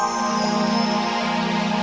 basin items om ngarek akhirnya om